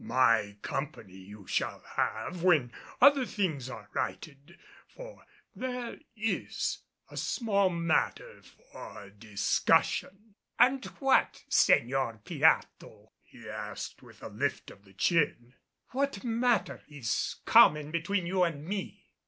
My company you shall have when other things are righted, for there is a small matter for discussion." "And what, Señor Pirato?" he asked with a lift of the chin. "What matter is common between you and me?"